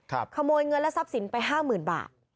ครับขโมยเงินและทรัพย์สินไป๕๐๐๐๐บาท